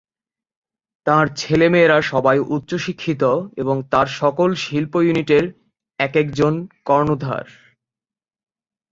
তাঁর ছেলেমেয়েরা সবাই উচ্চশিক্ষিত এবং তাঁর সকল শিল্প ইউনিটের এক একজন কর্ণধার।